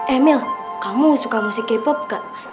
emil kamu suka musik k pop kak